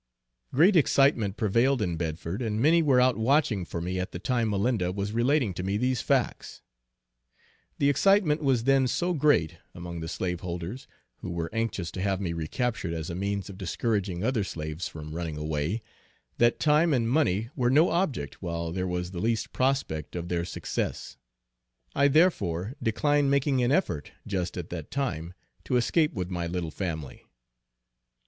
Great excitement prevailed in Bedford, and many were out watching for me at the time Malinda was relating to me these facts. The excitement was then so great among the slaveholders who were anxious to have me re captured as a means of discouraging other slaves from running away that time and money were no object while there was the least prospect of their success. I therefore declined making an effort just at that time to escape with my little family.